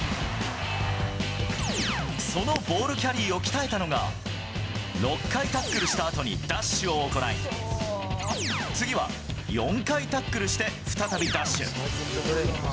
そのボールキャリーを鍛えたのが、６回タックルしたあとにダッシュを行い、次は４回タックルして再びダッシュ。